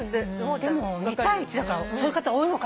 でも２対１だからそういう方多いのかしら？